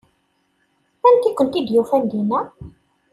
Anta i kent-id-yufan din?